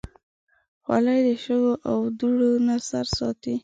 خولۍ د شګو او دوړو نه سر ساتي.